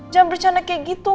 jangan bercanda kayak gitu